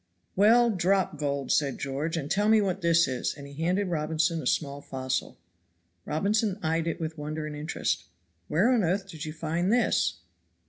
"Well, drop gold," said George, "and tell me what this is," and he handed Robinson a small fossil. Robinson eyed it with wonder and interest. "Where on earth did you find this?"